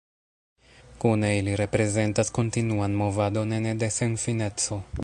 Kune, ili reprezentas kontinuan movadon ene de senfineco.